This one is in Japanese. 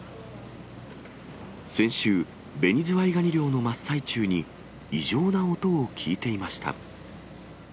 先週、ベニズワイガニ漁の真っ最中に、異常な音を聞いていました。